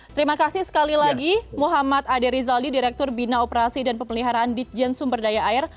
terima kasih sekali lagi muhammad ade rizaldi direktur bina operasi dan pemeliharaan ditjen sumber daya air